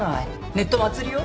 ネットは祭りよ。